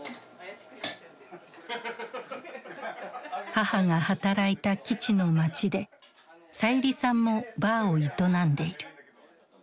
母が働いた基地の街でさゆりさんもバーを営んでいる。